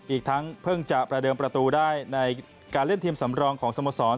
อีกทั้งเพิ่งจะประเดิมประตูได้ในการเล่นทีมสำรองของสโมสร